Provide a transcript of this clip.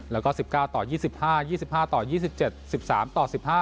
แล้วก็๑๙ต่อ๒๕๒๕ต่อ๒๗๑๓ต่อ๑๕